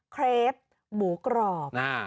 เครปหมูกรอบ